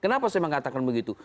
kenapa saya mengatakan begitu